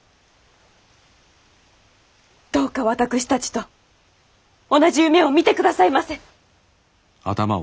どうか私たちと同じ夢を見てくださいませ。